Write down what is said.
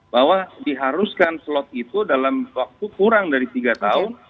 bahwa diharuskan slot itu dalam waktu kurang dari tiga tahun